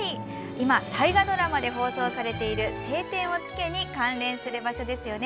今、大河ドラマで放送されている「青天を衝け」に関連する場所ですよね。